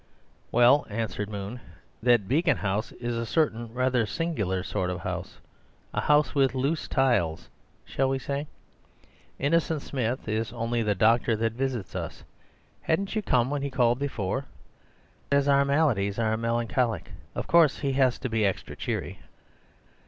"Well," answered Moon, "that Beacon House is a certain rather singular sort of house—a house with the tiles loose, shall we say? Innocent Smith is only the doctor that visits us; hadn't you come when he called before? As most of our maladies are melancholic, of course he has to be extra cheery.